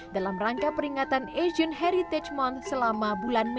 dalam rangka peringatan asian heritage mone selama bulan mei